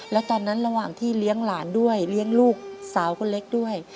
แล้วตอนนั้นระหว่างที่เลี้ยงหลานด้วยเลี้ยงลูกสาวคนเล็กด้วย